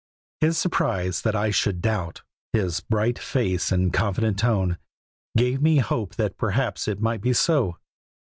His surprise that I should doubt, his bright face and confident tone, gave me hope that perhaps it might be so.